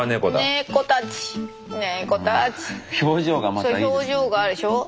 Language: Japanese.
そう表情があるでしょ。